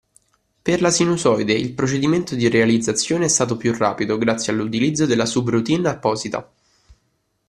Per la sinusoide il procedimento di realizzazione è stato più rapido grazie all'utilizzo della sub-routine apposita.